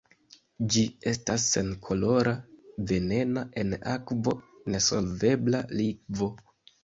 Ĝi estas senkolora, venena, en akvo nesolvebla likvo.